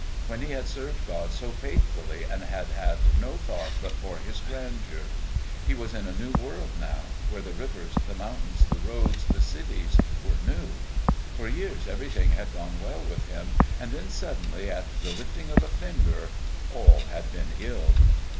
When he had served God so faithfully and had had no thought but for His grandeur? He was in a new world now, where the rivers, the mountains, the roads, the cities were new. For years everything had gone well with him, and then, suddenly, at the lifting of a finger, all had been ill....